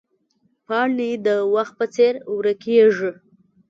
پاڼې د وخت په څېر ورکېږي